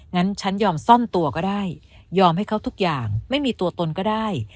งั้นฉันยอมซ่อนตัวก็ได้ยอมให้เขาทุกอย่างไม่มีตัวตนก็ได้